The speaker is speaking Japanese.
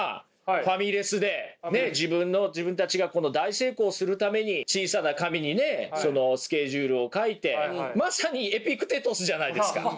ファミレスで自分の自分たちが大成功するために小さな紙にスケジュールを書いてまさにエピクテトスじゃないですか！